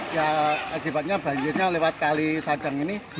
ya akibatnya banjirnya lewat kali sadang ini